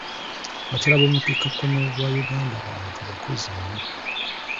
Abakyala b'omu bukiika kkono bwa Uganda bantu bakozi nnyo.